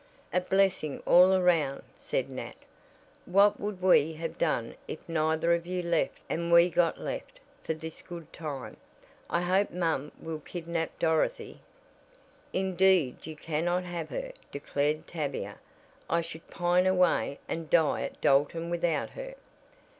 "A blessing all around," said Nat. "What would we have done if neither of you left and we got left for this good time. I hope mom will kidnap Dorothy." "Indeed you cannot have her," declared Tavia. "I should pine away and die at Dalton without her."